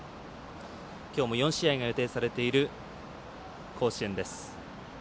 きょうも４試合が予定されている甲子園です。